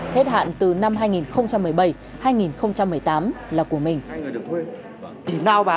hết hạn từ năm hai nghìn một mươi bảy hai nghìn một mươi tám là của mình